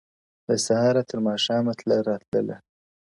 له سهاره تر ماښامه تله راتلله -